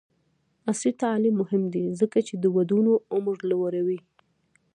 عصري تعلیم مهم دی ځکه چې د ودونو عمر لوړوي.